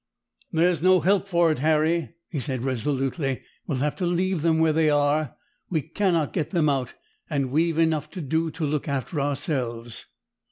"There's no help for it, Harry," he said resolutely. "We'll have to leave them where they are. We cannot get them out, and we've enough to do to look after ourselves."